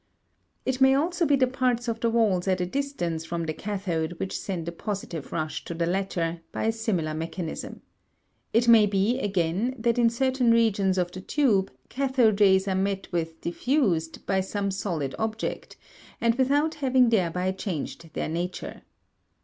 It may also be the parts of the walls at a distance from the cathode which send a positive rush to the latter, by a similar mechanism. It may be, again, that in certain regions of the tube cathode rays are met with diffused by some solid object, without having thereby changed their nature.